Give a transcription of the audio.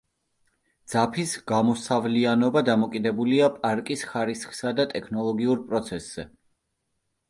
ძაფის გამოსავლიანობა დამოკიდებულია პარკის ხარისხსა და ტექნოლოგიურ პროცესზე.